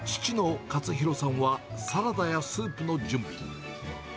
父の勝弘さんは、サラダやスープの準備。